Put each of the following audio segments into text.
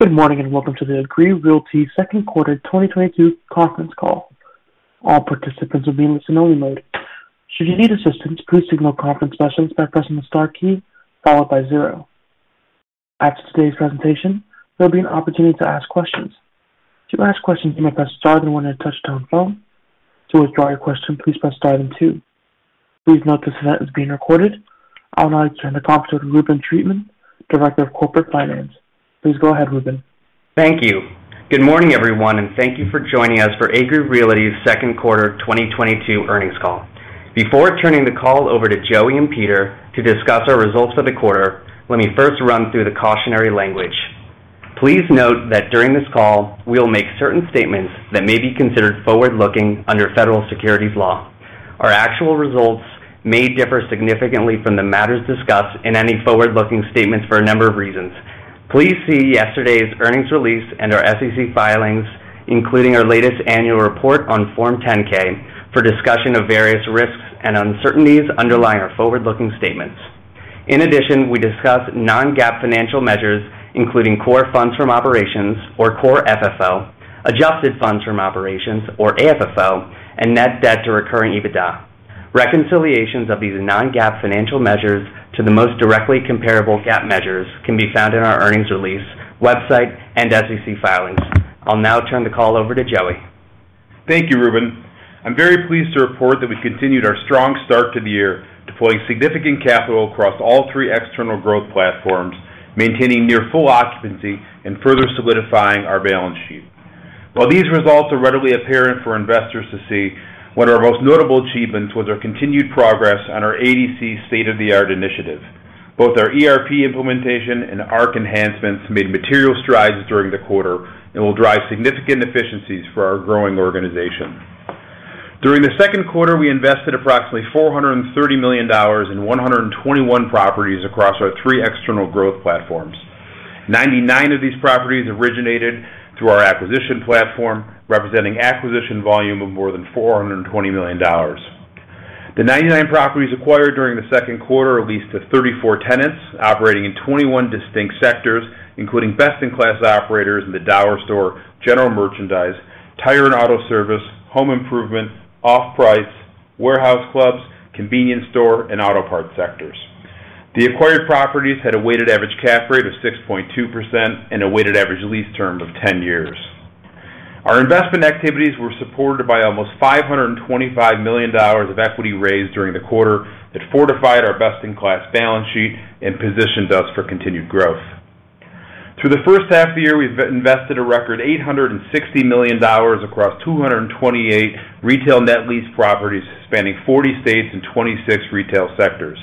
Good morning, and welcome to the Agree Realty second quarter 2022 conference call. All participants will be in listen-only mode. Should you need assistance, please contact the conference operator by pressing the star key followed by zero. After today's presentation, there'll be an opportunity to ask questions. To ask questions, you may press star then one on a touch-tone phone. To withdraw your question, please press star then two. Please note this event is being recorded. I'll now turn the call over to Reuben Treatman, Director of Corporate Finance. Please go ahead, Reuben. Thank you. Good morning, everyone, and thank you for joining us for Agree Realty's second quarter 2022 earnings call. Before turning the call over to Joey and Peter to discuss our results for the quarter, let me first run through the cautionary language. Please note that during this call, we'll make certain statements that may be considered forward-looking under federal securities law. Our actual results may differ significantly from the matters discussed in any forward-looking statements for a number of reasons. Please see yesterday's earnings release and our SEC filings, including our latest annual report on Form 10-K, for discussion of various risks and uncertainties underlying our forward-looking statements. In addition, we discuss non-GAAP financial measures, including Core Funds From Operations or Core FFO, Adjusted Funds From Operations or AFFO, and Net Debt to recurring EBITDA. Reconciliations of these non-GAAP financial measures to the most directly comparable GAAP measures can be found in our earnings release, website, and SEC filings. I'll now turn the call over to Joey. Thank you, Reuben. I'm very pleased to report that we continued our strong start to the year, deploying significant capital across all three external growth platforms, maintaining near full occupancy and further solidifying our balance sheet. While these results are readily apparent for investors to see, one of our most notable achievements was our continued progress on our ADC state-of-the-art initiative. Both our ERP implementation and ARC enhancements made material strides during the quarter and will drive significant efficiencies for our growing organization. During the second quarter, we invested approximately $430 million in 121 properties across our three external growth platforms. Ninety-nine of these properties originated through our acquisition platform, representing acquisition volume of more than $420 million. The 99 properties acquired during the second quarter are leased to 34 tenants operating in 21 distinct sectors, including best-in-class operators in the dollar store, general merchandise, tire and auto service, home improvement, off-price, warehouse clubs, convenience store, and auto parts sectors. The acquired properties had a weighted average cap rate of 6.2% and a weighted average lease term of 10 years. Our investment activities were supported by almost $525 million of equity raised during the quarter that fortified our best-in-class balance sheet and positioned us for continued growth. Through the first half of the year, we've invested a record $860 million across 228 retail net lease properties spanning 40 states and 26 retail sectors.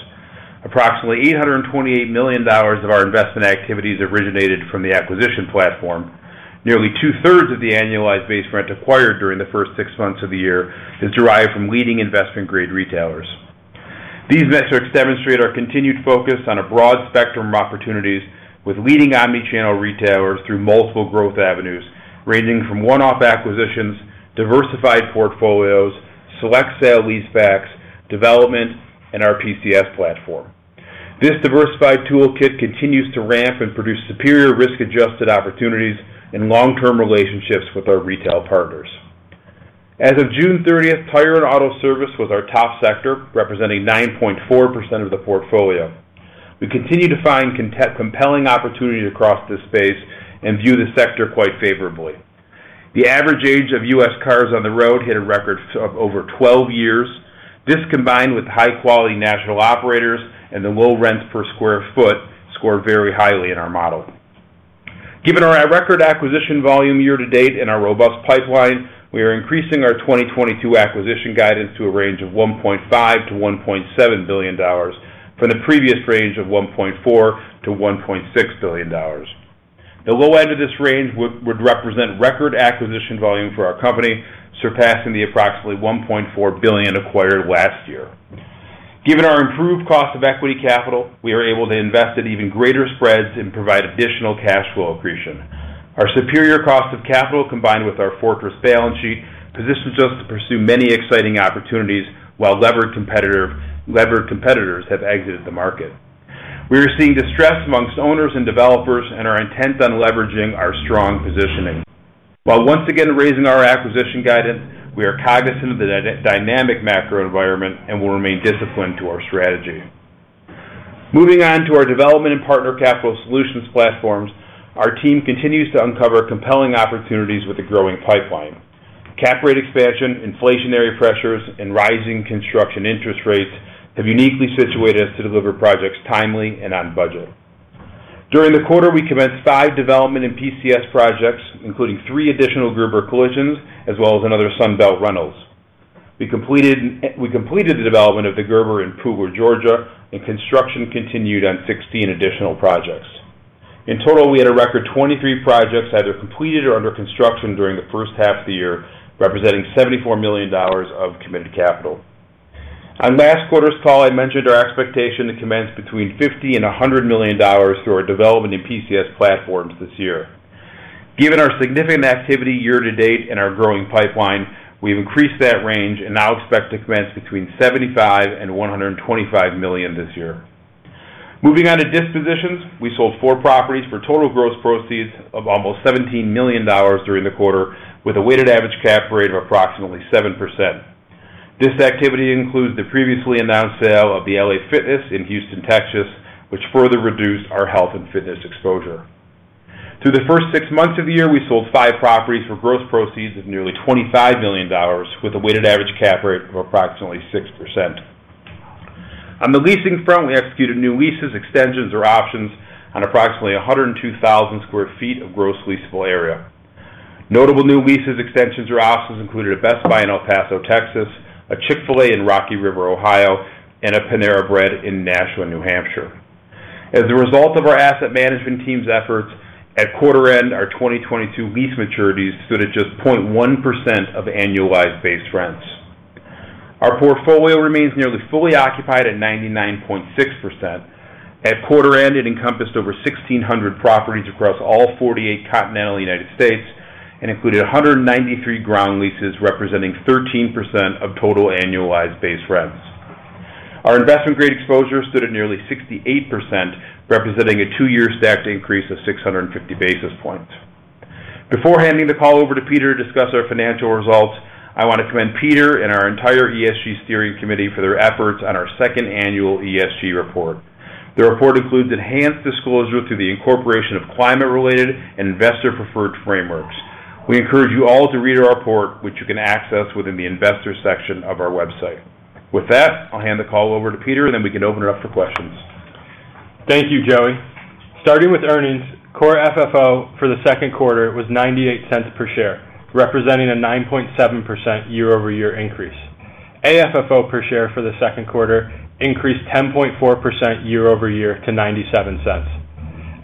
Approximately $828 million of our investment activities originated from the acquisition platform. Nearly 2/3 of the annualized base rent acquired during the first six months of the year is derived from leading investment-grade retailers. These metrics demonstrate our continued focus on a broad spectrum of opportunities with leading omni-channel retailers through multiple growth avenues, ranging from one-off acquisitions, diversified portfolios, select sale leasebacks, development, and our PCS platform. This diversified toolkit continues to ramp and produce superior risk-adjusted opportunities and long-term relationships with our retail partners. As of June 30th, tire and auto service was our top sector, representing 9.4% of the portfolio. We continue to find compelling opportunities across this space and view the sector quite favorably. The average age of U.S. cars on the road hit a record of over 12 years. This, combined with high-quality national operators and the low rent per sq ft, scored very highly in our model. Given our record acquisition volume year to date and our robust pipeline, we are increasing our 2022 acquisition guidance to a range of $1.5 billion-$1.7 billion from the previous range of $1.4 billion-$1.6 billion. The low end of this range would represent record acquisition volume for our company, surpassing the approximately $1.4 billion acquired last year. Given our improved cost of equity capital, we are able to invest at even greater spreads and provide additional cash flow accretion. Our superior cost of capital, combined with our fortress balance sheet, positions us to pursue many exciting opportunities while levered competitor, levered competitors have exited the market. We are seeing distress amongst owners and developers and are intent on leveraging our strong positioning. While once again raising our acquisition guidance, we are cognizant of the dynamic macro environment and will remain disciplined to our strategy. Moving on to our development and Partner Capital Solutions platforms, our team continues to uncover compelling opportunities with the growing pipeline. Cap rate expansion, inflationary pressures, and rising construction interest rates have uniquely situated us to deliver projects timely and on budget. During the quarter, we commenced five development and PCS projects, including three additional Gerber Collision & Glass, as well as another Sunbelt Rentals. We completed the development of the Gerber in Pooler, Georgia, and construction continued on 16 additional projects. In total, we had a record 23 projects either completed or under construction during the first half of the year, representing $74 million of committed capital. On last quarter's call, I mentioned our expectation to commence between $50 million and $100 million through our development and PCS platforms this year. Given our significant activity year-to-date and our growing pipeline, we've increased that range and now expect to commence between $75 million and $125 million this year. Moving on to dispositions. We sold four properties for total gross proceeds of almost $17 million during the quarter, with a weighted average cap rate of approximately 7%. This activity includes the previously announced sale of the LA Fitness in Houston, Texas, which further reduced our health and fitness exposure. Through the first six months of the year, we sold five properties for gross proceeds of nearly $25 million, with a weighted average cap rate of approximately 6%. On the leasing front, we executed new leases, extensions, or options on approximately 102,000 sq ft of gross leasable area. Notable new leases, extensions, or options included a Best Buy in El Paso, Texas, a Chick-fil-A in Rocky River, Ohio, and a Panera Bread in Nashua, New Hampshire. As a result of our asset management team's efforts, at quarter end, our 2022 lease maturities stood at just 0.1% of annualized base rents. Our portfolio remains nearly fully occupied at 99.6%. At quarter end, it encompassed over 1,600 properties across all 48 continental United States and included 193 ground leases representing 13% of total annualized base rents. Our investment-grade exposure stood at nearly 68%, representing a two-year stacked increase of 650 basis points. Before handing the call over to Peter to discuss our financial results, I want to commend Peter and our entire ESG Steering Committee for their efforts on our second annual ESG report. The report includes enhanced disclosure through the incorporation of climate-related and investor-preferred frameworks. We encourage you all to read our report, which you can access within the investor section of our website. With that, I'll hand the call over to Peter, and then we can open it up for questions. Thank you, Joey. Starting with earnings, Core FFO for the second quarter was $0.98 per share, representing a 9.7% year-over-year increase. AFFO per share for the second quarter increased 10.4% year-over-year to $0.97.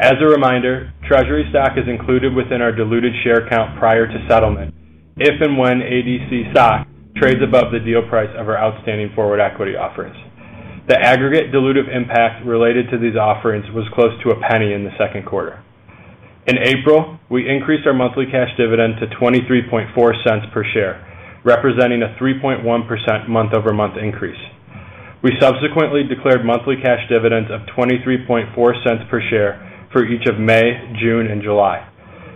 As a reminder, treasury stock is included within our diluted share count prior to settlement if and when ADC stock trades above the deal price of our outstanding forward equity offerings. The aggregate dilutive impact related to these offerings was close to a penny in the second quarter. In April, we increased our monthly cash dividend to $0.234 per share, representing a 3.1% month-over-month increase. We subsequently declared monthly cash dividends of $0.234 per share for each of May, June, and July.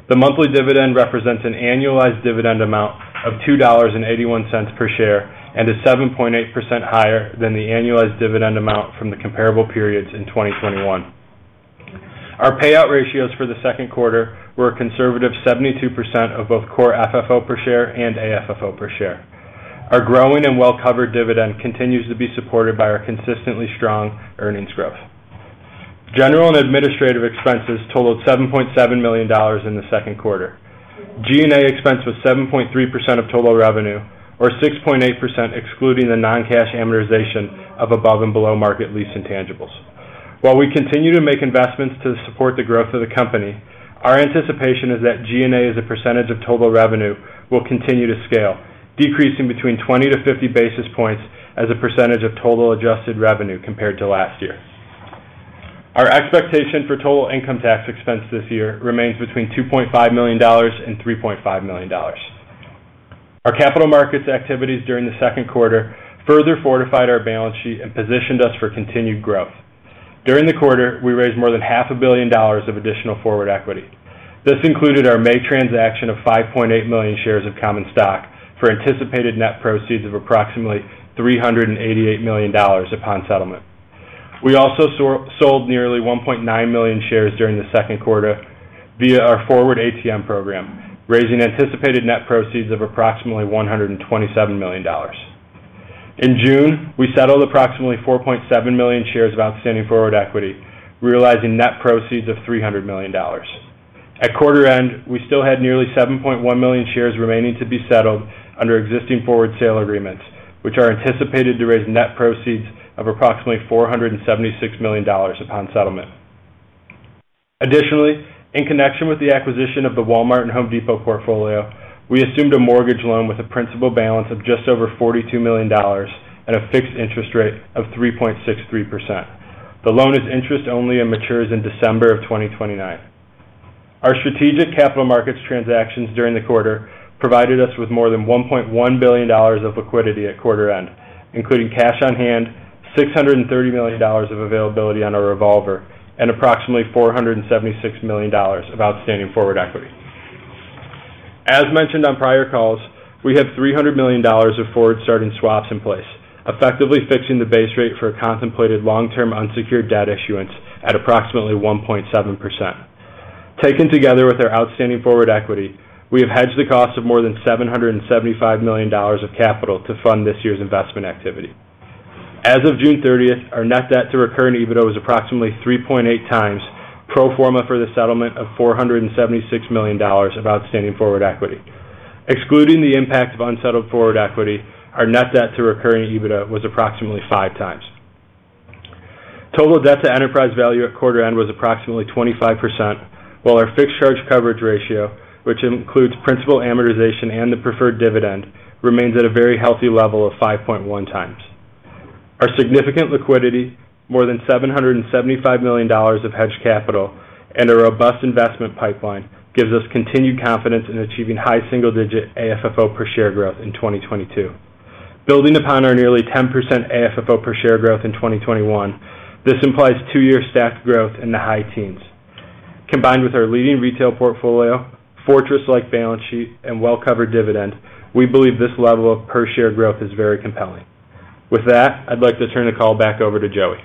The monthly dividend represents an annualized dividend amount of $2.81 per share and is 7.8% higher than the annualized dividend amount from the comparable periods in 2021. Our payout ratios for the second quarter were a conservative 72% of both Core FFO per share and AFFO per share. Our growing and well-covered dividend continues to be supported by our consistently strong earnings growth. General and administrative expenses totaled $7.7 million in the second quarter. G&A expense was 7.3% of total revenue, or 6.8% excluding the non-cash amortization of above and below-market lease intangibles. While we continue to make investments to support the growth of the company, our anticipation is that G&A as a percentage of total revenue will continue to scale, decreasing between 20-50 basis points as a percentage of total adjusted revenue compared to last year. Our expectation for total income tax expense this year remains between $2.5 million and $3.5 million. Our capital markets activities during the second quarter further fortified our balance sheet and positioned us for continued growth. During the quarter, we raised more than half a billion dollars of additional forward equity. This included our May transaction of 5.8 million shares of common stock for anticipated net proceeds of approximately $388 million upon settlement. We also sold nearly 1.9 million shares during the second quarter via our forward ATM program, raising anticipated net proceeds of approximately $127 million. In June, we settled approximately 4.7 million shares of outstanding forward equity, realizing net proceeds of $300 million. At quarter end, we still had nearly 7.1 million shares remaining to be settled under existing forward sale agreements, which are anticipated to raise net proceeds of approximately $476 million upon settlement. Additionally, in connection with the acquisition of the Walmart and Home Depot portfolio, we assumed a mortgage loan with a principal balance of just over $42 million at a fixed interest rate of 3.63%. The loan is interest-only and matures in December 2029. Our strategic capital markets transactions during the quarter provided us with more than $1.1 billion of liquidity at quarter end, including cash on hand, $630 million of availability on our revolver, and approximately $476 million of outstanding forward equity. As mentioned on prior calls, we have $300 million of forward starting swaps in place, effectively fixing the base rate for a contemplated long-term unsecured debt issuance at approximately 1.7%. Taken together with our outstanding forward equity, we have hedged the cost of more than $775 million of capital to fund this year's investment activity. As of June 30, our Net Debt to recurring EBITDA was approximately 3.8x pro forma for the settlement of $476 million of outstanding forward equity. Excluding the impact of unsettled forward equity, our Net Debt to recurring EBITDA was approximately 5x. Total debt to enterprise value at quarter end was approximately 25%, while our fixed charge coverage ratio, which includes principal amortization and the preferred dividend, remains at a very healthy level of 5.1x. Our significant liquidity, more than $775 million of hedged capital and a robust investment pipeline gives us continued confidence in achieving high single digit AFFO per share growth in 2022. Building upon our nearly 10% AFFO per share growth in 2021, this implies two-year stacked growth in the high teens. Combined with our leading retail portfolio, fortress-like balance sheet, and well-covered dividend, we believe this level of per share growth is very compelling. With that, I'd like to turn the call back over to Joey.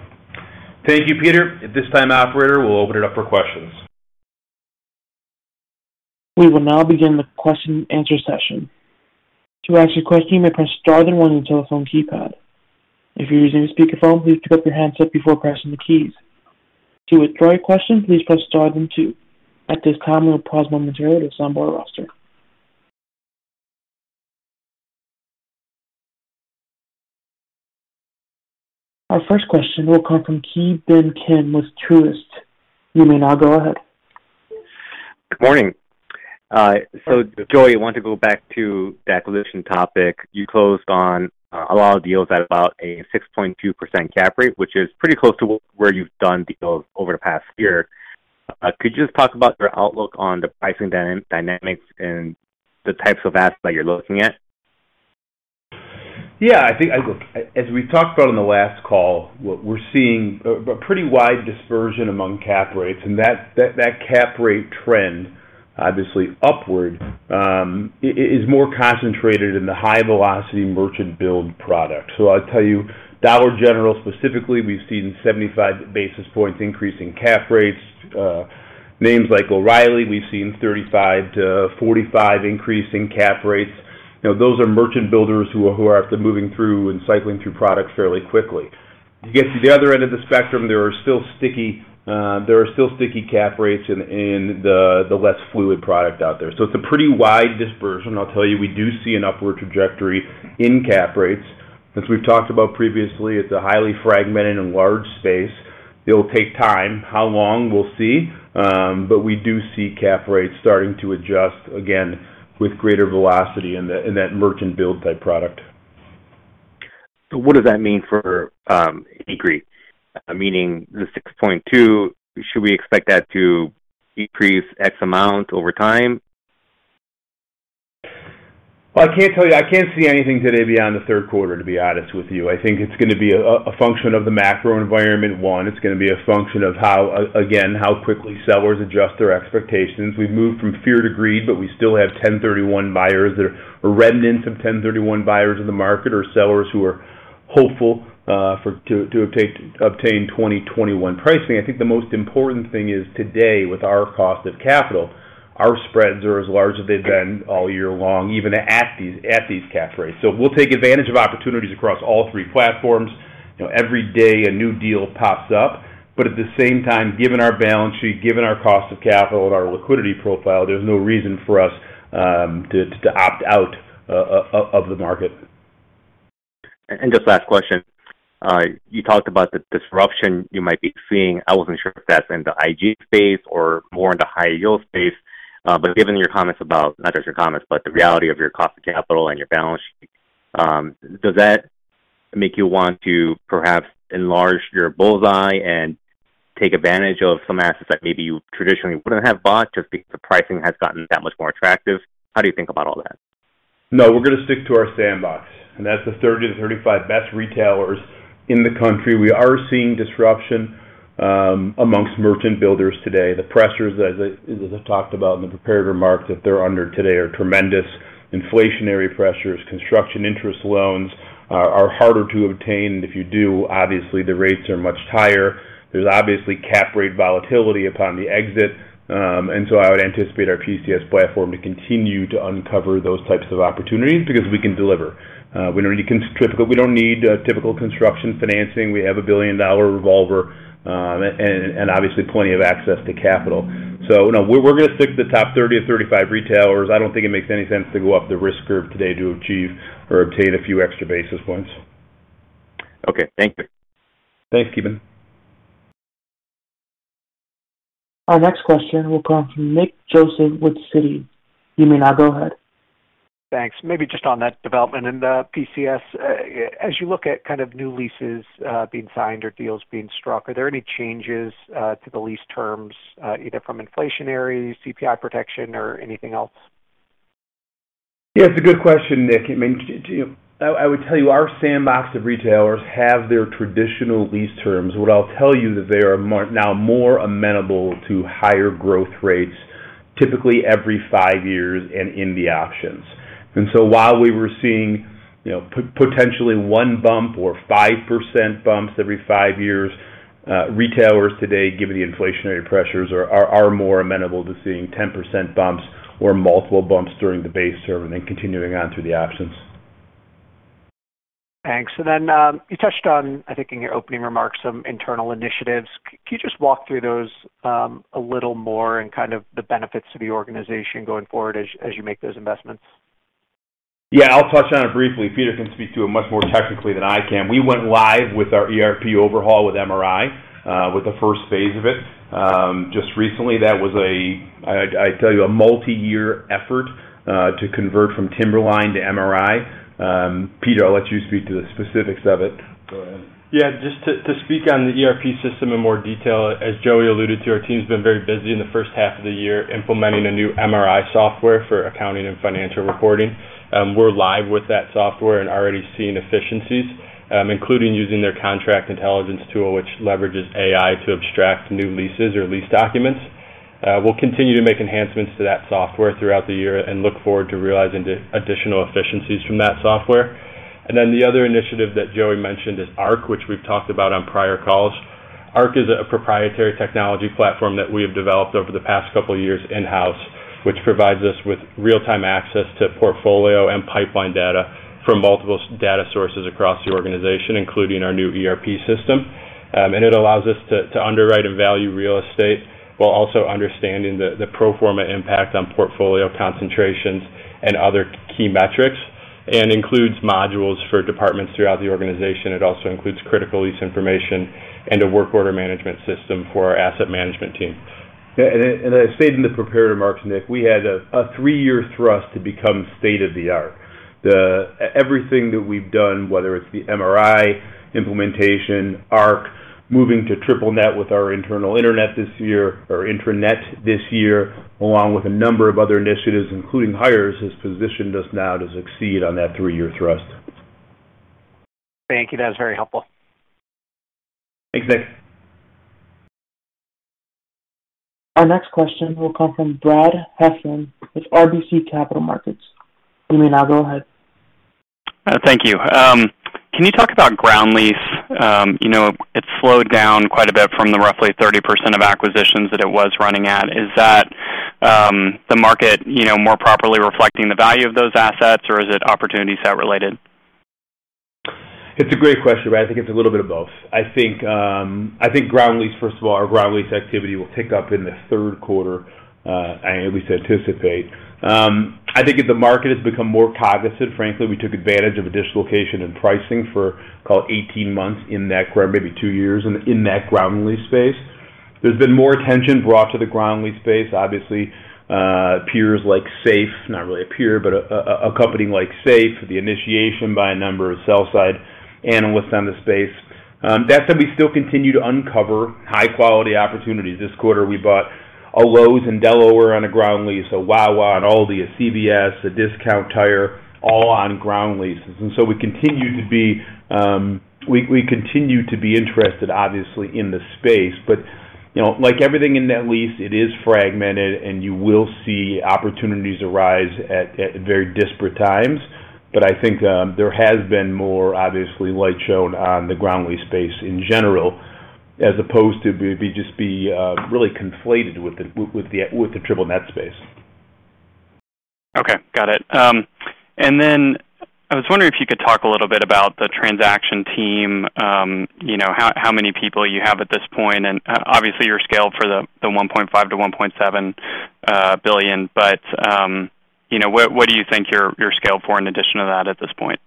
Thank you, Peter. At this time, operator, we'll open it up for questions. We will now begin the question and answer session. To ask a question, you may press star then one on your telephone keypad. If you're using a speakerphone, please pick up your handset before pressing the keys. To withdraw your question, please press star then two. At this time, we'll pause momentarily to assemble our roster. Our first question will come from Ki Bin Kim with Truist. You may now go ahead. Good morning. Joey, I want to go back to the acquisition topic. You closed on a lot of deals at about a 6.2% cap rate, which is pretty close to where you've done deals over the past year. Could you just talk about your outlook on the pricing dynamics and the types of assets that you're looking at? Yeah, I think as we talked about on the last call, what we're seeing a pretty wide dispersion among cap rates, and that cap rate trend, obviously upward, is more concentrated in the high velocity merchant build product. I'll tell you, Dollar General specifically, we've seen 75 basis points increase in cap rates. Names like O'Reilly, we've seen 35-45 increase in cap rates. You know, those are merchant builders who are moving through and cycling through products fairly quickly. You get to the other end of the spectrum, there are still sticky cap rates in the less fluid product out there. It's a pretty wide dispersion. I'll tell you, we do see an upward trajectory in cap rates. As we've talked about previously, it's a highly fragmented and large space. It'll take time. How long? We'll see. We do see cap rates starting to adjust again with greater velocity in that merchant build type product. What does that mean for Agree? Meaning the 6.2%, should we expect that to decrease X amount over time? Well, I can't tell you. I can't see anything today beyond the third quarter, to be honest with you. I think it's gonna be a function of the macro environment, one. It's gonna be a function of how quickly sellers adjust their expectations. We've moved from fear to greed, but we still have 1031 buyers. There are remnants of 1031 buyers in the market or sellers who are hopeful to obtain 2021 pricing. I think the most important thing is today with our cost of capital, our spreads are as large as they've been all year long, even at these cap rates. We'll take advantage of opportunities across all three platforms. You know, every day a new deal pops up. At the same time, given our balance sheet, given our cost of capital and our liquidity profile, there's no reason for us to opt out of the market. Just last question. You talked about the disruption you might be seeing. I wasn't sure if that's in the IG space or more in the high yield space. But given your comments, not just your comments, but the reality of your cost of capital and your balance sheet, does that make you want to perhaps enlarge your bullseye and take advantage of some assets that maybe you traditionally wouldn't have bought just because the pricing has gotten that much more attractive? How do you think about all that? No, we're gonna stick to our sandbox, and that's the 30-35 best retailers in the country. We are seeing disruption among merchant builders today. The pressures, as I talked about in the prepared remarks that they're under today, are tremendous. Inflationary pressures, construction interest loans are harder to obtain. If you do, obviously the rates are much higher. There's obviously cap rate volatility upon the exit. I would anticipate our PCS platform to continue to uncover those types of opportunities because we can deliver. We don't need typical construction financing. We have a billion-dollar revolver, and obviously plenty of access to capital. No, we're gonna stick to the top 30 or 35 retailers. I don't think it makes any sense to go up the risk curve today to achieve or obtain a few extra basis points. Okay. Thank you. Thanks, Ki Bin. Our next question will come from Nick Joseph with Citi. You may now go ahead. Thanks. Maybe just on that development in the PCS. As you look at kind of new leases being signed or deals being struck, are there any changes to the lease terms either from inflationary CPI protection or anything else? Yeah, it's a good question, Nick. I mean, you know, I would tell you our sandbox of retailers have their traditional lease terms. What I'll tell you that they are now more amenable to higher growth rates typically every five years and in the options. While we were seeing, you know, potentially one bump or 5% bumps every five years, retailers today, given the inflationary pressures, are more amenable to seeing 10% bumps or multiple bumps during the base term and then continuing on through the options. Thanks. You touched on, I think in your opening remarks, some internal initiatives. Could you just walk through those a little more and kind of the benefits to the organization going forward as you make those investments? Yeah, I'll touch on it briefly. Peter can speak to it much more technically than I can. We went live with our ERP overhaul with MRI with the first phase of it. Just recently, that was, I tell you, a multi-year effort to convert from Timberline to MRI. Peter, I'll let you speak to the specifics of it. Yeah, just to speak on the ERP system in more detail. As Joey alluded to, our team's been very busy in the first half of the year implementing a new MRI software for accounting and financial reporting. We're live with that software and already seeing efficiencies, including using their contract intelligence tool, which leverages AI to abstract new leases or lease documents. We'll continue to make enhancements to that software throughout the year and look forward to realizing the additional efficiencies from that software. The other initiative that Joey mentioned is ARC, which we've talked about on prior calls. ARC is a proprietary technology platform that we have developed over the past couple of years in-house, which provides us with real-time access to portfolio and pipeline data from multiple data sources across the organization, including our new ERP system. It allows us to underwrite and value real estate while also understanding the pro forma impact on portfolio concentrations and other key metrics, and includes modules for departments throughout the organization. It also includes critical lease information and a work order management system for our asset management team. As stated in the prepared remarks, Nick, we had a three-year thrust to become state-of-the-art. Everything that we've done, whether it's the MRI implementation, ARC, moving to triple net with our internal intranet this year, along with a number of other initiatives, including hires, has positioned us now to succeed on that three-year thrust. Thank you. That was very helpful. Thanks, Nick. Our next question will come from Brad Heffern with RBC Capital Markets. You may now go ahead. Thank you. Can you talk about ground lease? You know, it slowed down quite a bit from the roughly 30% of acquisitions that it was running at. Is that the market, you know, more properly reflecting the value of those assets, or is it opportunity set-related? It's a great question, Brad. I think it's a little bit of both. I think ground lease, first of all, our ground lease activity will pick up in the third quarter, I at least anticipate. I think that the market has become more cognizant. Frankly, we took advantage of a dislocation in pricing for call it 18 months in that ground, maybe two years in that ground lease space. There's been more attention brought to the ground lease space, obviously. Peers like SAFE, not really a peer, but a company like SAFE, the initiation by a number of sell-side analysts on the space. That said, we still continue to uncover high-quality opportunities. This quarter, we bought a Lowe's in Delaware on a ground lease, a Wawa, an Aldi, a CVS, a Discount Tire, all on ground leases. We continue to be interested, obviously, in the space. You know, like everything in net lease, it is fragmented, and you will see opportunities arise at very disparate times. I think there has been more, obviously, light shown on the ground lease space in general, as opposed to just being really conflated with the triple net space. Okay. Got it. I was wondering if you could talk a little bit about the transaction team, you know, how many people you have at this point, and obviously you're scaled for the $1.5 billion-$1.7 billion? You know, what do you think you're scaled for in addition to that at this point?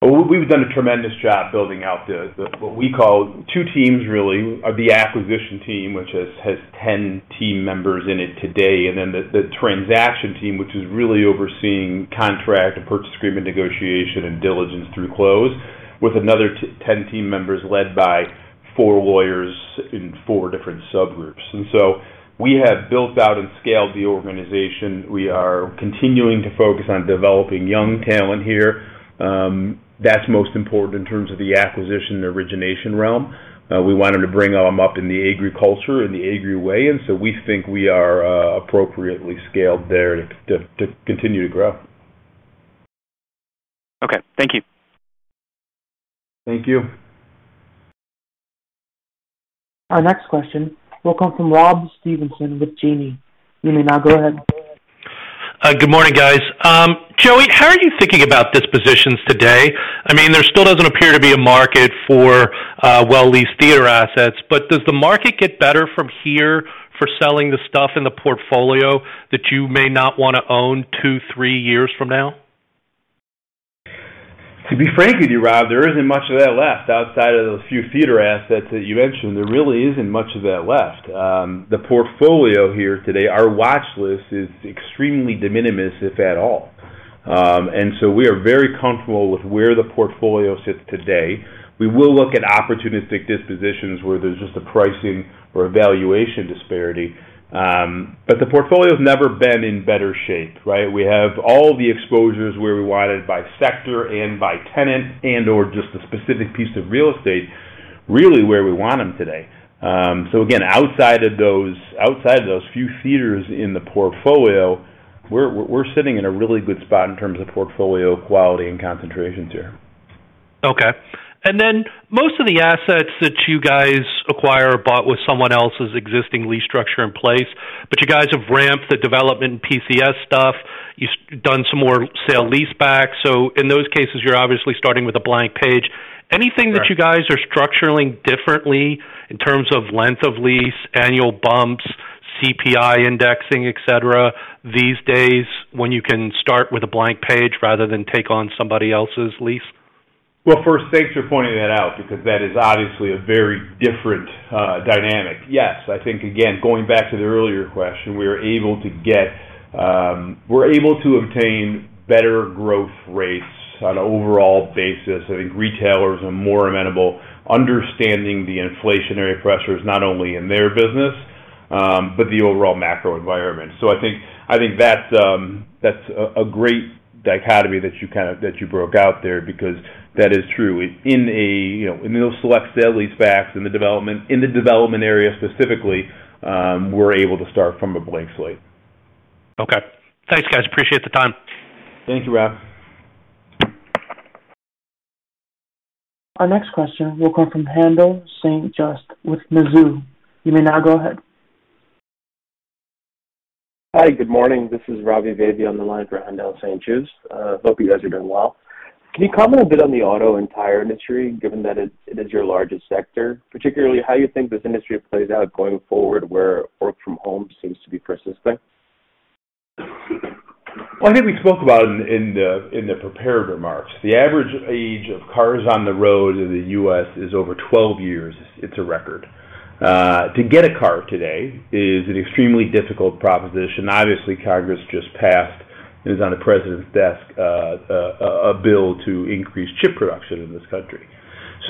Well, we've done a tremendous job building out the what we call two teams really. The acquisition team, which has 10 team members in it today. Then the transaction team, which is really overseeing contract and purchase agreement negotiation and diligence through close, with another 10 team members led by four lawyers in four different subgroups. We have built out and scaled the organization. We are continuing to focus on developing young talent here. That's most important in terms of the acquisition and origination realm. We wanted to bring them up in the Agree culture, in the Agree way, and we think we are appropriately scaled there to continue to grow. Okay. Thank you. Thank you. Our next question will come from Rob Stevenson with Janney Montgomery Scott. You may now go ahead. Good morning, guys. Joey, how are you thinking about dispositions today? I mean, there still doesn't appear to be a market for well leased theater assets. Does the market get better from here for selling the stuff in the portfolio that you may not wanna own two, three years from now? To be frank with you, Rob, there isn't much of that left. Outside of those few theater assets that you mentioned, there really isn't much of that left. The portfolio here today, our watch list is extremely de minimis, if at all. We are very comfortable with where the portfolio sits today. We will look at opportunistic dispositions where there's just a pricing or a valuation disparity. The portfolio's never been in better shape, right? We have all the exposures where we want it by sector and by tenant and/or just the specific piece of real estate really where we want them today. Again, outside of those few theaters in the portfolio, we're sitting in a really good spot in terms of portfolio quality and concentrations here. Okay. Most of the assets that you guys acquire are bought with someone else's existing lease structure in place. You guys have ramped the development and PCS stuff. You've done some more sale lease back. In those cases, you're obviously starting with a blank page. Anything that you guys are structuring differently in terms of length of lease, annual bumps, CPI indexing, etc., these days when you can start with a blank page rather than take on somebody else's lease? Well, first, thanks for pointing that out because that is obviously a very different dynamic. Yes, I think again, going back to the earlier question, we're able to obtain better growth rates on an overall basis. I think retailers are more amenable, understanding the inflationary pressures not only in their business, but the overall macro environment. I think that's a great dichotomy that you broke out there because that is true. In a, you know, in those select sale leasebacks, in the development area specifically, we're able to start from a blank slate. Okay. Thanks, guys. Appreciate the time. Thank you, Rob. Our next question will come from Haendel St. Juste with Mizuho. You may now go ahead. Hi. Good morning. This is Ravi Vaidya on the line for Haendel St. Juste. Hope you guys are doing well. Can you comment a bit on the auto and tire industry, given that it is your largest sector, particularly how you think this industry plays out going forward, where work from home seems to be persisting? I think we spoke about in the prepared remarks. The average age of cars on the road in the U.S. is over 12 years. It's a record. To get a car today is an extremely difficult proposition. Obviously, Congress just passed, and is on the President's desk, a bill to increase chip production in this country.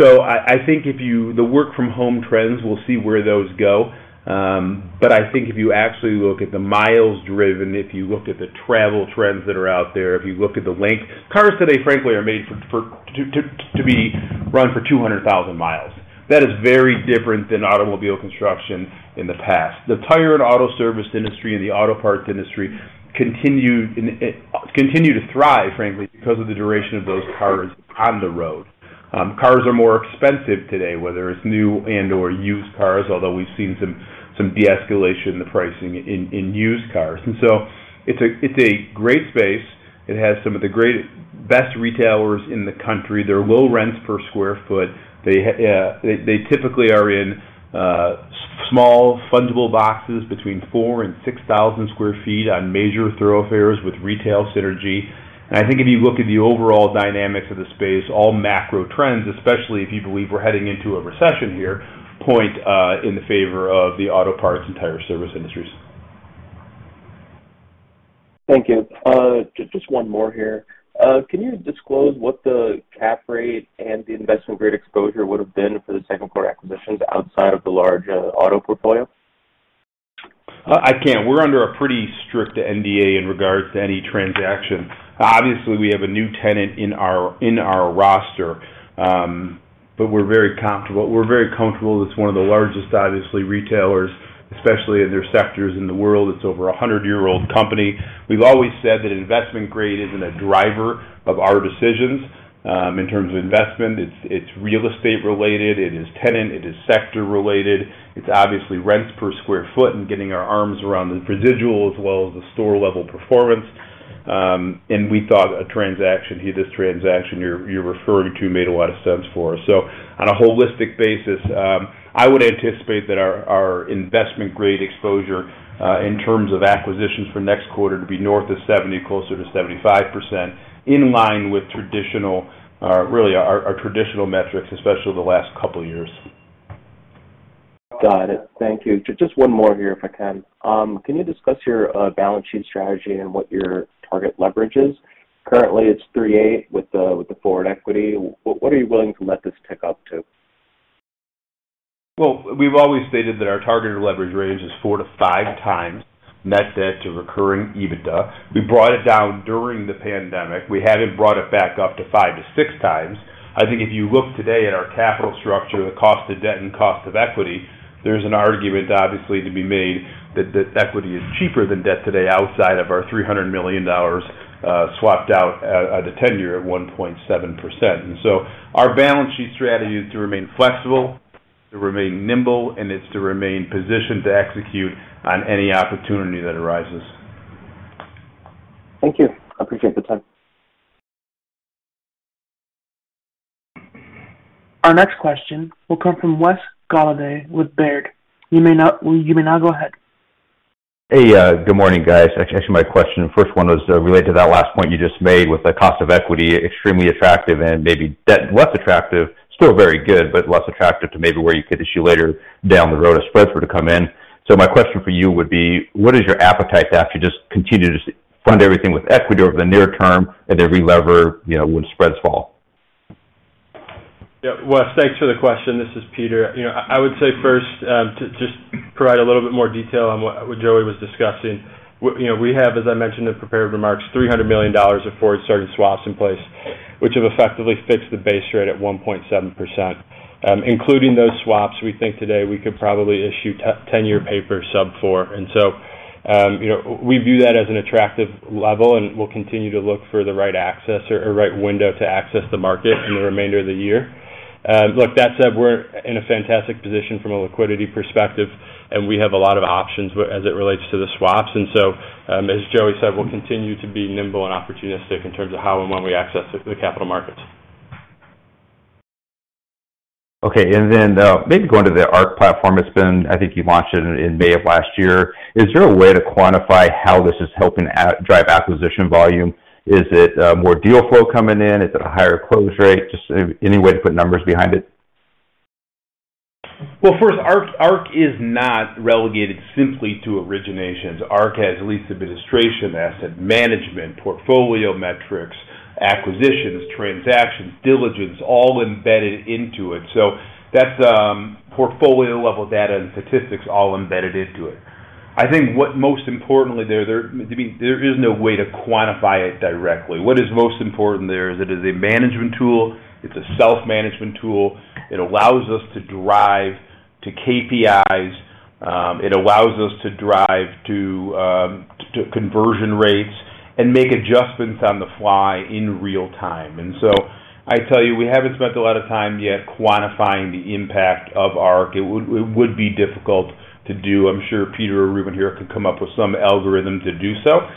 I think the work from home trends, we'll see where those go. I think if you actually look at the miles driven, if you look at the travel trends that are out there, if you look at the length, cars today, frankly, are made for to be run for 200,000 mi. That is very different than automobile construction in the past. The tire and auto service industry and the auto parts industry continue to thrive, frankly, because of the duration of those cars on the road. Cars are more expensive today, whether it's new and/or used cars, although we've seen some de-escalation in the pricing in used cars. It's a great space. It has some of the greatest retailers in the country. Their low rents per square foot. They typically are in small freestanding boxes between 4,000-6,000 sq ft on major thoroughfares with retail synergy. I think if you look at the overall dynamics of the space, all macro trends, especially if you believe we're heading into a recession here, point in favor of the auto parts and tire service industries. Thank you. Just one more here. Can you disclose what the cap rate and the investment grade exposure would have been for the second quarter acquisitions outside of the large Auto portfolio? I can't. We're under a pretty strict NDA in regards to any transaction. Obviously, we have a new tenant in our roster, but we're very comfortable. It's one of the largest, obviously, retailers, especially in their sectors in the world. It's over a hundred-year-old company. We've always said that investment grade isn't a driver of our decisions in terms of investment. It's real estate related, it is tenant, it is sector related. It's obviously rents per square foot and getting our arms around the residual as well as the store level performance. We thought a transaction, this transaction you're referring to made a lot of sense for us. On a holistic basis, I would anticipate that our investment grade exposure in terms of acquisitions for next quarter to be north of 70, closer to 75%, in line with traditional, really our traditional metrics, especially the last couple of years. Got it. Thank you. Just one more here, if I can. Can you discuss your balance sheet strategy and what your target leverage is? Currently, it's 3/8 with the forward equity. What are you willing to let this tick up to? Well, we've always stated that our targeted leverage range is 4x-5x Net Debt to recurring EBITDA. We brought it down during the pandemic. We haven't brought it back up to 5x-6x. I think if you look today at our capital structure, the cost of debt and cost of equity, there's an argument, obviously, to be made that the equity is cheaper than debt today outside of our $300 million swapped out at a tenor of 1.7%. Our balance sheet strategy is to remain flexible, to remain nimble, and it's to remain positioned to execute on any opportunity that arises. Thank you. I appreciate the time. Our next question will come from Wes Golladay with Baird. You may now go ahead. Hey, good morning, guys. Actually my question, first one was related to that last point you just made with the cost of equity extremely attractive and maybe debt less attractive, still very good, but less attractive to maybe where you could issue later down the road as spreads were to come in. My question for you would be, what is your appetite to actually just continue to just fund everything with equity over the near term and then relever, you know, when spreads fall? Yeah. Wes, thanks for the question. This is Peter. You know, I would say first, to just provide a little bit more detail on what Joey was discussing. You know, we have, as I mentioned in prepared remarks, $300 million of forward starting swaps in place, which have effectively fixed the base rate at 1.7%. Including those swaps, we think today we could probably issue 10-year paper sub-4%. You know, we view that as an attractive level, and we'll continue to look for the right access or right window to access the market in the remainder of the year. Look, that said, we're in a fantastic position from a liquidity perspective, and we have a lot of options as it relates to the swaps. As Joey said, we'll continue to be nimble and opportunistic in terms of how and when we access the capital markets. Okay. Maybe going to the ARC platform. It's been. I think you launched it in May of last year. Is there a way to quantify how this is helping drive acquisition volume? Is it more deal flow coming in? Is it a higher close rate? Just any way to put numbers behind it. Well, first, ARC is not relegated simply to originations. ARC has lease administration, asset management, portfolio metrics, acquisitions, transactions, diligence, all embedded into it. That's portfolio-level data and statistics all embedded into it. I think what most importantly there, I mean, there is no way to quantify it directly. What is most important there is it is a management tool. It's a self-management tool. It allows us to drive to KPIs. It allows us to drive to conversion rates and make adjustments on the fly in real-time. I tell you, we haven't spent a lot of time yet quantifying the impact of ARC. It would be difficult to do. I'm sure Peter or Reuben here could come up with some algorithm to do so.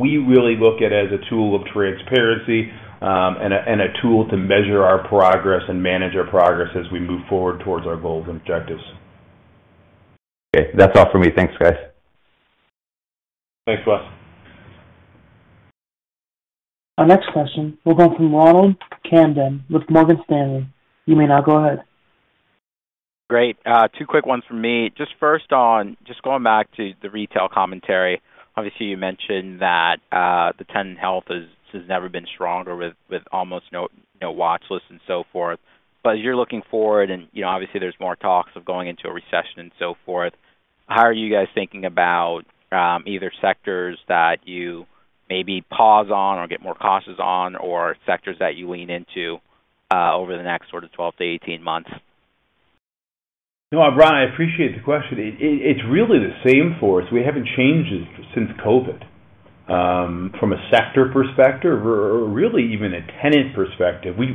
We really look at it as a tool of transparency, and a tool to measure our progress and manage our progress as we move forward towards our goals and objectives. Okay. That's all for me. Thanks, guys. Thanks, Wes. Our next question will come from Ronald Kamdem with Morgan Stanley. You may now go ahead. Great. Two quick ones from me. Just first on, just going back to the retail commentary. Obviously, you mentioned that the tenant health has never been stronger with almost no watch list and so forth. But as you're looking forward and, you know, obviously there's more talks of going into a recession and so forth, how are you guys thinking about either sectors that you maybe pause on or get more cautious on or sectors that you lean into over the next sort of 12-18 months? No, Ron, I appreciate the question. It's really the same for us. We haven't changed since COVID. From a sector perspective or really even a tenant perspective, we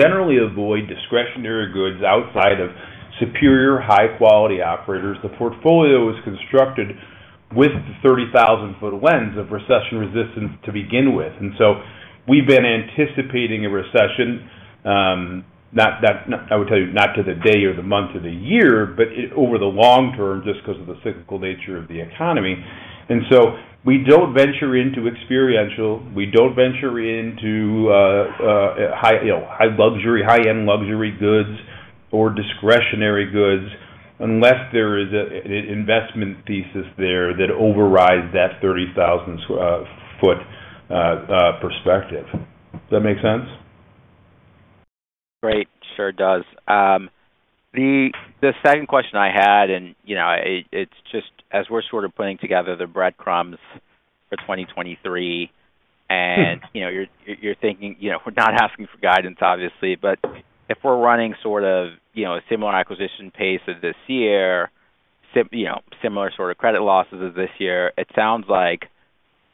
generally avoid discretionary goods outside of superior high-quality operators. The portfolio was constructed with the 30,000-foot lens of recession resistance to begin with. We've been anticipating a recession, not that I would tell you, not to the day or the month or the year, but over the long term, just 'cause of the cyclical nature of the economy. We don't venture into experiential. We don't venture into high, you know, high luxury, high-end luxury goods or discretionary goods unless there is an investment thesis there that overrides that 30,000-foot perspective. Does that make sense? Great. Sure does. The second question I had, you know, it's just as we're sort of putting together the breadcrumbs for 2023 and, you know, you're thinking, you know, we're not asking for guidance, obviously. If we're running sort of, you know, a similar acquisition pace as this year, you know, similar sort of credit losses as this year, it sounds like,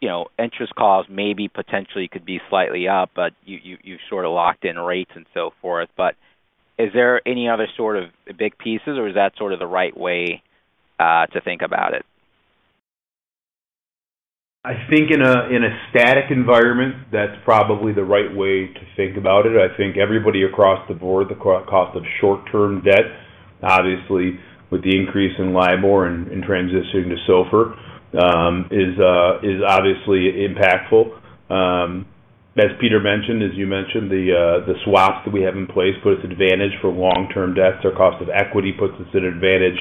you know, interest costs maybe potentially could be slightly up, but you've sort of locked in rates and so forth. Is there any other sort of big pieces, or is that sort of the right way to think about it? I think in a static environment, that's probably the right way to think about it. I think everybody across the board, the cost of short-term debt, obviously with the increase in LIBOR and transitioning to SOFR, is obviously impactful. As Peter mentioned, as you mentioned, the swaps that we have in place put us advantage for long-term debts. Our cost of equity puts us at advantage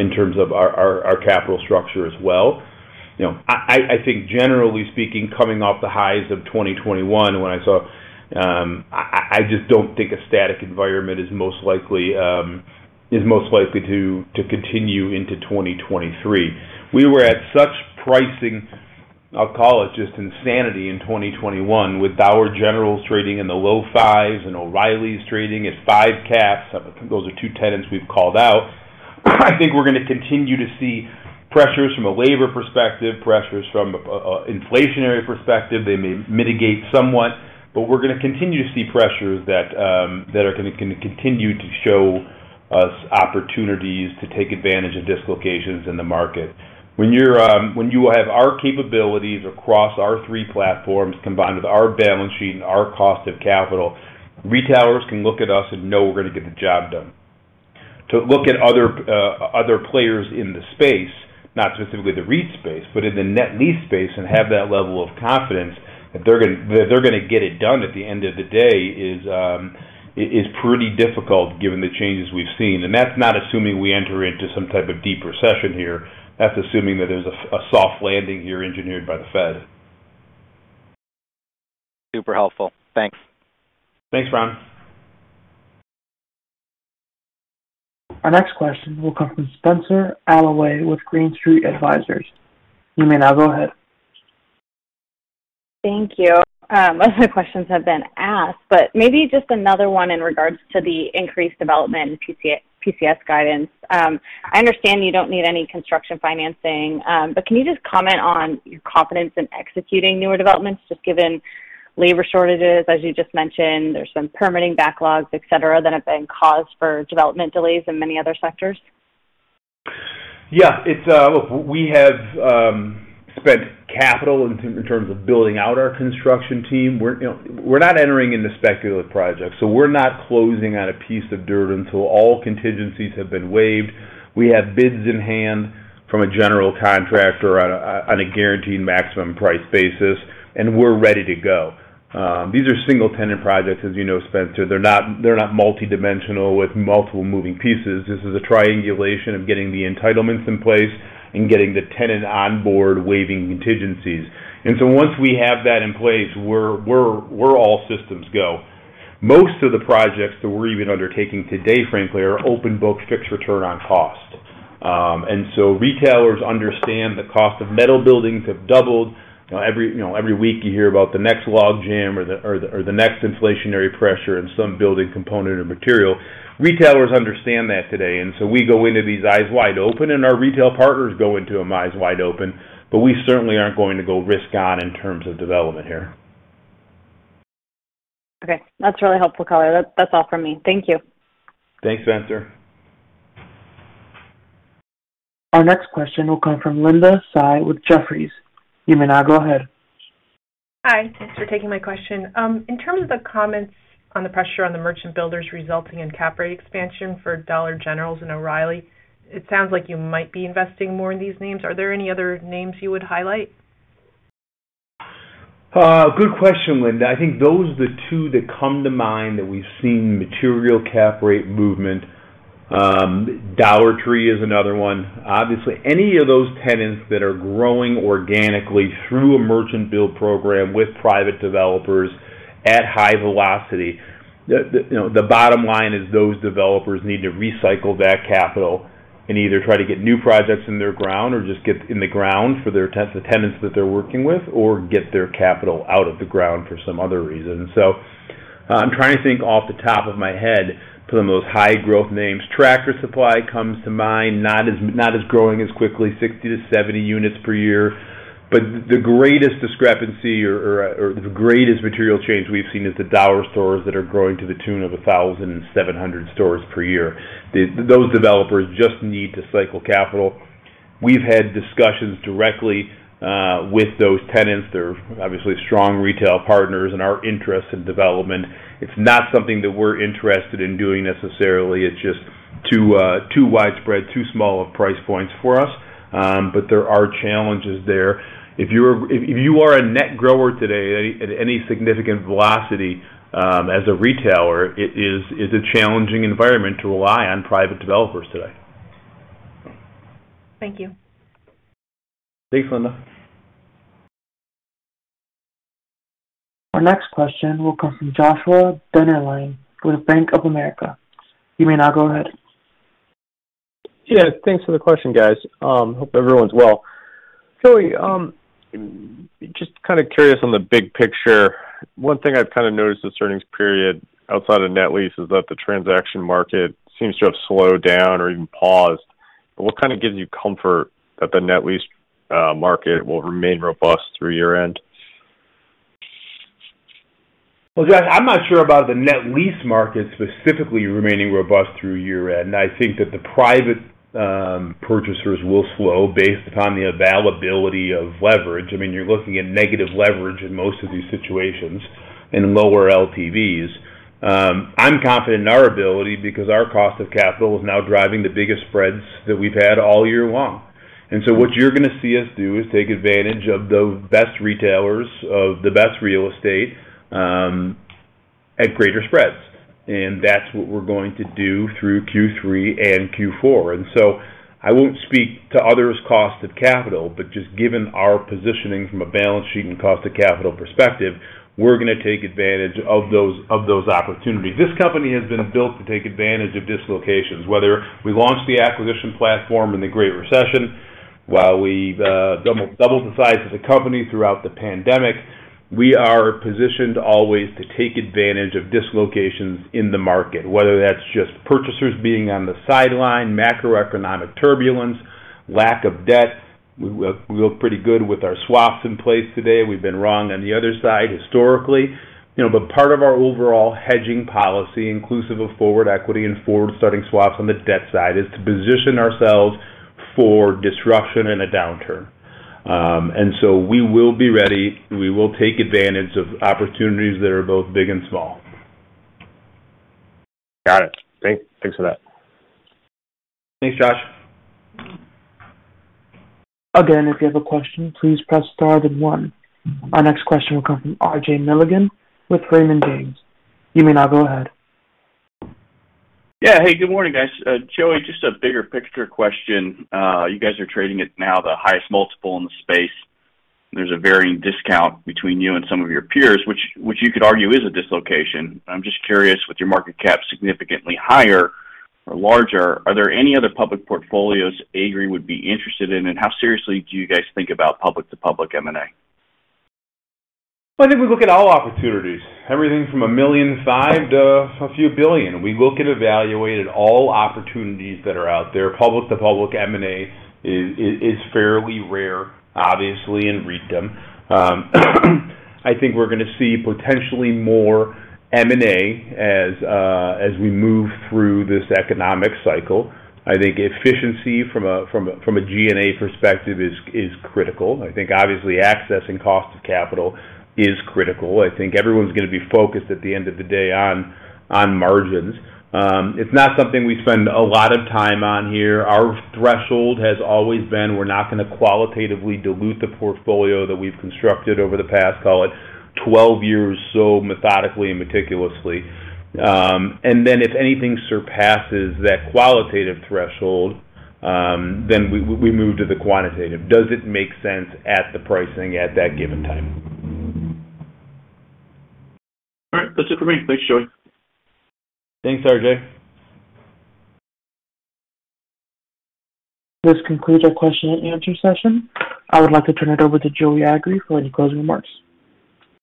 in terms of our capital structure as well. You know, I think generally speaking, coming off the highs of 2021, I just don't think a static environment is most likely to continue into 2023. We were at such pricing, I'll call it just insanity in 2021, with Dollar General trading in the low fives and O'Reilly's trading at five caps. Those are two tenants we've called out. I think we're gonna continue to see pressures from a labor perspective, pressures from an inflationary perspective. They may mitigate somewhat, but we're gonna continue to see pressures that are gonna continue to show us opportunities to take advantage of dislocations in the market. When you have our capabilities across our three platforms, combined with our balance sheet and our cost of capital, retailers can look at us and know we're gonna get the job done. To look at other players in the space, not specifically the REIT space, but in the net lease space, and have that level of confidence that they're gonna get it done at the end of the day is pretty difficult given the changes we've seen. That's not assuming we enter into some type of deep recession here. That's assuming that there's a soft landing here engineered by the Fed. Super helpful. Thanks. Thanks, Ron. Our next question will come from Spenser Allaway with Green Street Advisors. You may now go ahead. Thank you. Most of the questions have been asked, but maybe just another one in regards to the increased development in PCS guidance. I understand you don't need any construction financing, but can you just comment on your confidence in executing newer developments, just given labor shortages, as you just mentioned, there's some permitting backlogs, etc., that have been cause for development delays in many other sectors? Yeah. It's we have spent capital in terms of building out our construction team. We're, you know, not entering into speculative projects, so we're not closing on a piece of dirt until all contingencies have been waived. We have bids in hand from a general contractor on a guaranteed maximum price basis, and we're ready to go. These are single tenant projects, as you know, Spenser. They're not multi-dimensional with multiple moving pieces. This is a triangulation of getting the entitlements in place and getting the tenant on board waiving contingencies. Once we have that in place, we're all systems go. Most of the projects that we're even undertaking today, frankly, are open book fixed return on cost. Retailers understand the cost of metal buildings have doubled. You know, every week you hear about the next log jam or the next inflationary pressure in some building component or material. Retailers understand that today. We go into these eyes wide open, and our retail partners go into them eyes wide open. We certainly aren't going to go risk on in terms of development here. Okay, that's really helpful, Joey. That's all from me. Thank you. Thanks, Spenser. Our next question will come from Linda Tsai with Jefferies. You may now go ahead. Hi. Thanks for taking my question. In terms of the comments on the pressure on the merchant builders resulting in Cap Rate expansion for Dollar General and O'Reilly, it sounds like you might be investing more in these names. Are there any other names you would highlight? Good question, Linda. I think those are the two that come to mind that we've seen material cap rate movement. Dollar Tree is another one. Obviously, any of those tenants that are growing organically through a merchant build program with private developers at high velocity, the you know, the bottom line is those developers need to recycle that capital and either try to get new projects in their ground or just get in the ground for the tenants that they're working with or get their capital out of the ground for some other reason. I'm trying to think off the top of my head some of those high growth names. Tractor Supply comes to mind, not as growing as quickly, 60-70 units per year. The greatest discrepancy or the greatest material change we've seen is the dollar stores that are growing to the tune of 1,700 stores per year. Those developers just need to cycle capital. We've had discussions directly with those tenants. They're obviously strong retail partners in our interest in development. It's not something that we're interested in doing necessarily. It's just too widespread, too small of price points for us. There are challenges there. If you are a net grower today at any significant velocity, as a retailer, it's a challenging environment to rely on private developers today. Thank you. Thanks, Linda. Our next question will come from Joshua Dennerlein with Bank of America. You may now go ahead. Yeah, thanks for the question, guys. Hope everyone's well. Joey, just kind of curious on the big picture. One thing I've kind of noticed this earnings period outside of net lease is that the transaction market seems to have slowed down or even paused. What kind of gives you comfort that the net lease market will remain robust through year-end? Well, Josh, I'm not sure about the net lease market specifically remaining robust through year-end. I think that the private purchasers will slow based upon the availability of leverage. I mean, you're looking at negative leverage in most of these situations and lower LTVs. I'm confident in our ability because our cost of capital is now driving the biggest spreads that we've had all year long. What you're gonna see us do is take advantage of the best retailers of the best real estate at greater spreads. That's what we're going to do through Q3 and Q4. I won't speak to others' cost of capital, but just given our positioning from a balance sheet and cost of capital perspective, we're gonna take advantage of those opportunities. This company has been built to take advantage of dislocations. Whether we launched the acquisition platform in the Great Recession, while we've doubled the size of the company throughout the pandemic, we are positioned always to take advantage of dislocations in the market, whether that's just purchasers being on the sideline, macroeconomic turbulence, lack of debt. We look pretty good with our swaps in place today. We've been wrong on the other side historically. You know, but part of our overall hedging policy, inclusive of forward equity and forward starting swaps on the debt side, is to position ourselves for disruption in a downturn. We will be ready. We will take advantage of opportunities that are both big and small. Got it. Thanks for that. Thanks, Josh. Again, if you have a question, please press star then one. Our next question will come from R.J. Milligan with Raymond James. You may now go ahead. Yeah. Hey, good morning, guys. Joey, just a bigger picture question. You guys are trading at now the highest multiple in the space. There's a varying discount between you and some of your peers, which you could argue is a dislocation. I'm just curious, with your market cap significantly higher or larger, are there any other public portfolios Agree would be interested in? How seriously do you guys think about public to public M&A? I think we look at all opportunities, everything from $1.5 million to a few billion. We look at, evaluate all opportunities that are out there. Public-to-public M&A is fairly rare, obviously, in REITdom. I think we're gonna see potentially more M&A as we move through this economic cycle. I think efficiency from a G&A perspective is critical. I think obviously accessing cost of capital is critical. I think everyone's gonna be focused at the end of the day on margins. It's not something we spend a lot of time on here. Our threshold has always been we're not gonna qualitatively dilute the portfolio that we've constructed over the past, call it, 12 years so methodically and meticulously. If anything surpasses that qualitative threshold, then we move to the quantitative. Does it make sense at the pricing at that given time? All right, that's it for me. Thanks, Joey. Thanks, R.J. This concludes our question and answer session. I would like to turn it over to Joey Agree for any closing remarks.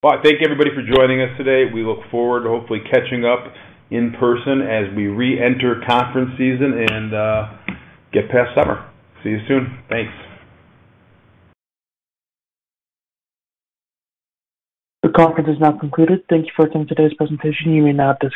Well, I thank everybody for joining us today. We look forward to hopefully catching up in person as we reenter conference season and, get past summer. See you soon. Thanks. The conference is now concluded. Thank you for attending today's presentation. You may now disconnect.